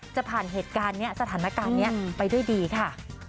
จะผ่านเหตุการณ์นี้สถานการณ์นี้ไปด้วยดีค่ะ